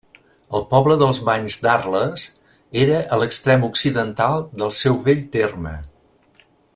El poble dels Banys d'Arles era a l'extrem occidental del seu vell terme.